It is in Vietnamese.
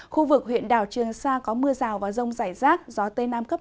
khu vực huyện đảo trường sa có mưa rào và rông rải rác gió tây nam cấp năm